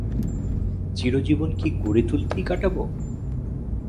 চিরজীবন কি গড়ে তুলতেই কাটাব।